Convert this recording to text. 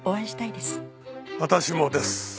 私もです。